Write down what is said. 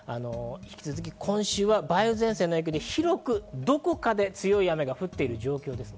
今週は梅雨前線の影響で広くどこかで強い雨が降っている状況です。